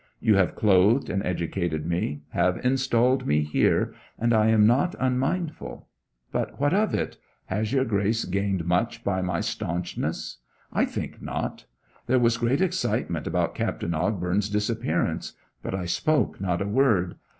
You have clothed and educated me; have installed me here; and I am not unmindful. But what of it has your Grace gained much by my stanchness? I think not. There was great excitement about Captain Ogbourne's disappearance, but I spoke not a word.